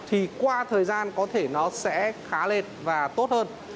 thì qua thời gian có thể nó sẽ khá lên và tốt hơn